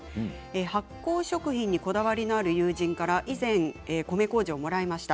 発酵食品にこだわりがある友人から以前米こうじをもらいました。